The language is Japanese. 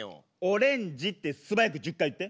オレンジって素早く１０回言って。